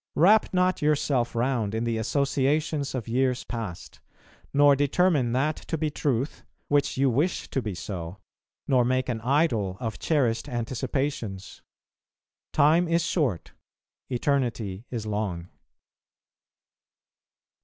Wrap not yourself round in the associations of years past; nor determine that to be truth which you wish to be so, nor make an idol of cherished anticipations. Time is short, eternity is long.